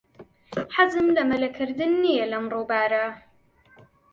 حەزم لە مەلەکردن نییە لەم ڕووبارە.